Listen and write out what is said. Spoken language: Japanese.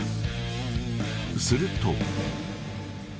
すると。